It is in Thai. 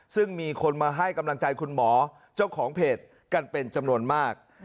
ซึ่งมีคนมาให้กำลังใจคุณหมอเจ้าของเพจกันเป็นจำนวนมาก